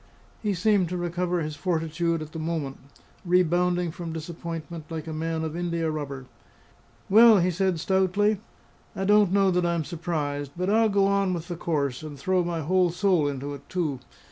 He seemed to recover his fortitude at the moment, rebounding from disappointment like a man of india rubber. "Well," said he stoutly, "I don't know that I'm surprised. But I'll go on with the course; and throw my whole soul into it, too.